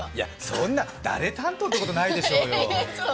そんな、誰担当ってことないでしょうよ。